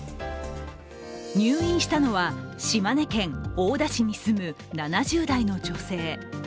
入院したのは島根県大田市に住む７０代の女性。